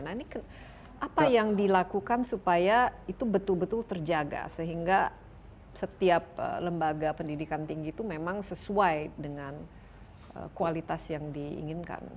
nah ini apa yang dilakukan supaya itu betul betul terjaga sehingga setiap lembaga pendidikan tinggi itu memang sesuai dengan kualitas yang diinginkan